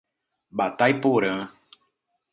Batayporã